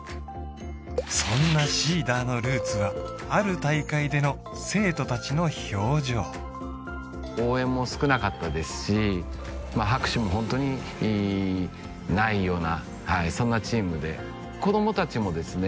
そんなＳｅｅｄｅｒのルーツはある大会での生徒達の表情応援も少なかったですし拍手もホントにないようなはいそんなチームで子供達もですね